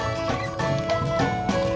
lo untuk berjalan kan